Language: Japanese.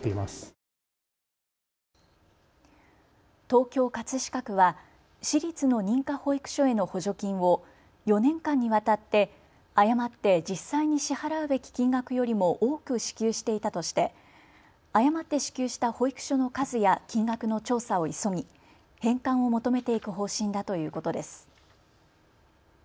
東京葛飾区は私立の認可保育所への補助金を４年間にわたって誤って実際に支払うべき金額よりも多く支給していたとして誤って支給した保育所の数や金額の調査を急ぎ返還を求めていく方針だということです。